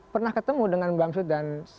pernah ketemu dengan bang sud dan